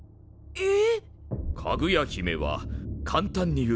えっ？